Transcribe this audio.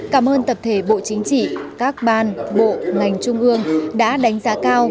cảm ơn tập thể bộ chính trị các ban bộ ngành trung ương đã đánh giá cao